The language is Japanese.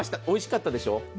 おいしかったでしょう？